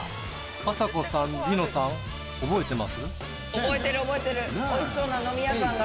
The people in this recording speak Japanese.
あさこさん梨乃さん覚えてます？